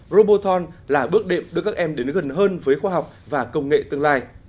roboton là bước đệm đưa các em đến gần hơn với khoa học và công nghệ tương lai